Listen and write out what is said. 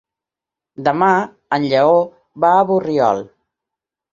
Demà en Lleó va a Borriol.